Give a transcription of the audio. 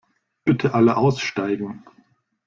Bitte alle aussteigen.